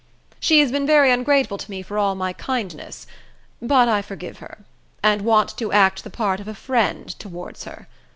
She has been very ungrateful to me for all my kindness; but I forgive her, and want to act the part of a friend towards her.